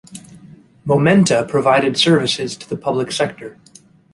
Momenta provided services to the public sector.